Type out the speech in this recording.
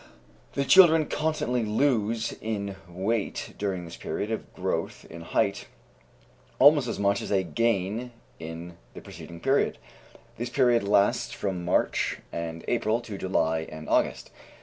The children constantly lose in weight during this period of growth in height almost as much as they gain in the preceding period. This period lasts from March and April to July and August.